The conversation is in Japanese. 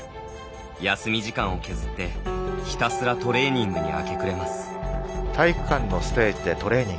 休み時間を削ってひたすらトレーニングに明け暮れます。